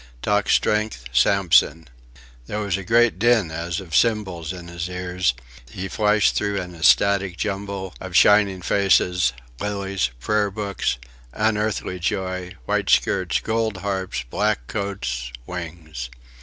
Talk strength Samson.... There was a great din as of cymbals in his ears; he flashed through an ecstatic jumble of shining faces, lilies, prayer books, unearthly joy, white skirts, gold harps, black coats, wings.